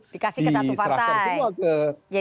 dikasih ke satu partai